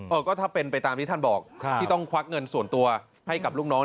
เออก็ถ้าเป็นไปตามที่ท่านบอกที่ต้องควักเงินส่วนตัวให้กับลูกน้อง